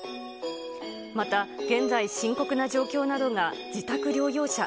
また、現在、深刻な状況なのが自宅療養者。